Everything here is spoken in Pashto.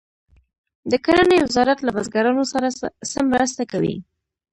د کرنې وزارت له بزګرانو سره څه مرسته کوي؟